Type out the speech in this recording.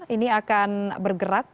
ini akan bergerak ke